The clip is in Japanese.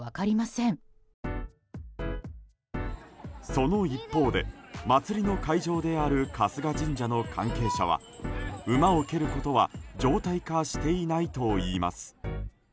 その一方で、祭りの会場である春日神社の関係者は馬を蹴ることは常態化していないといいます。